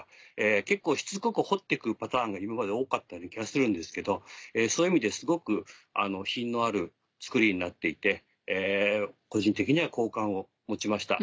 結構しつこく掘ってくパターンが今まで多かったような気がするんですけどそういう意味ですごく品のある作りになっていて個人的には好感を持ちました。